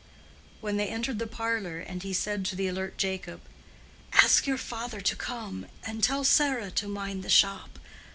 When they entered the parlor he said to the alert Jacob, "Ask your father to come, and tell Sarah to mind the shop.